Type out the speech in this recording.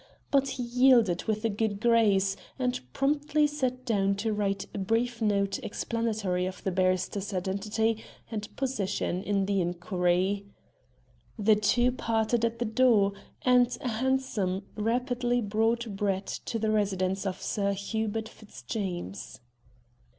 But he yielded with good grace, and promptly sat down to write a brief note explanatory of the barrister's identity and position in the inquiry. The two parted at the door, and a hansom rapidly brought Brett to the residence of Sir Hubert Fitzjames.